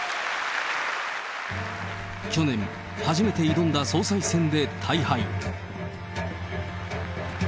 去年、初めて挑んだ総裁選で大敗。